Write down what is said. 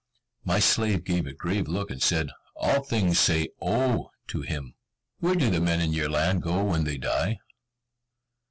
My slave gave a grave look, and said, "All things say 'O' to him." "Where do the men in your land go when they die?"